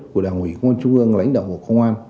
của đảng ủy quân trung ương lãnh đạo của công an